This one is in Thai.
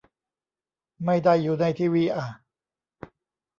ไม่ได้อยู่ในทีวีอ่ะ